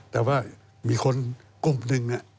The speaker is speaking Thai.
แต่ว่ามีคนกลุ่มนึง